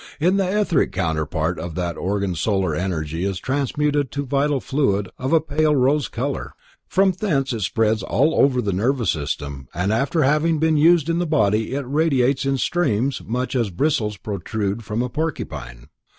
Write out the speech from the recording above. In the etheric counterpart of that organ solar energy is transmuted to vital fluid of a pale rose color. From thence it spreads all over the nervous system, and after having been used in the body it radiates in streams, much as bristles protrude from a porcupine.